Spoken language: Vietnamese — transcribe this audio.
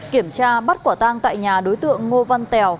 kiểm tra bắt quả tang tại nhà đối tượng ngô văn tèo